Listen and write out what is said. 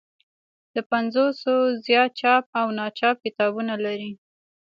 له پنځوسو زیات چاپ او ناچاپ کتابونه لري.